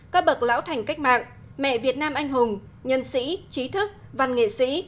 các bậc lão thành cách mạng mẹ việt nam anh hùng nhân sĩ trí thức văn nghệ sĩ